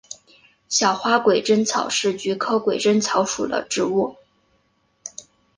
小花鬼针草是菊科鬼针草属的植物。